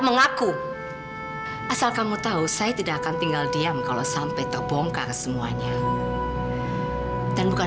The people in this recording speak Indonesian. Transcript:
mengaku asal kamu tahu saya tidak akan tinggal diam kalau sampai terbongkar semuanya dan bukan